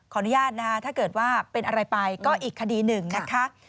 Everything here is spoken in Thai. อนุญาตนะคะถ้าเกิดว่าเป็นอะไรไปก็อีกคดีหนึ่งนะคะ